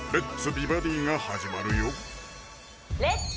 美バディ」が始まるよ「レッツ！